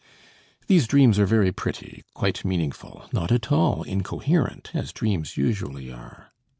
These dreams are very pretty, quite meaningful, not at all incoherent, as dreams usually are.